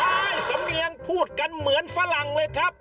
สำเนียงพูดกันเหมือนฝรั่งเลยครับ